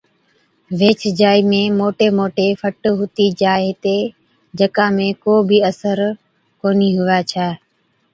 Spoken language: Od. ويهچ جائِي ۾ موٽي موٽي فٽ هُتِي جائي هِتي، جڪا ۾ ڪو بِي اثر ڪونهِي هُوَي ڇَي۔